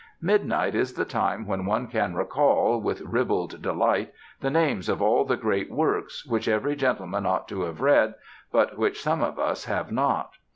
Midnight is the time when one can recall, with ribald delight, the names of all the Great Works which every gentleman ought to have read, but which some of us have not.